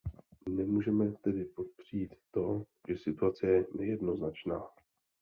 Nemůžeme tedy popřít to, že situace je nejednoznačná.